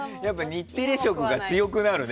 日テレ色が強くなるね。